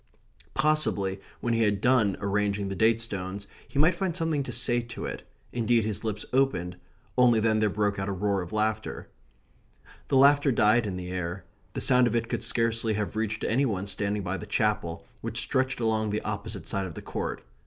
Possibly, when he had done arranging the date stones, he might find something to say to it indeed his lips opened only then there broke out a roar of laughter. The laughter died in the air. The sound of it could scarcely have reached any one standing by the Chapel, which stretched along the opposite side of the court.